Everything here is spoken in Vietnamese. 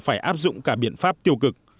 và phải áp dụng cả biện pháp tiêu cực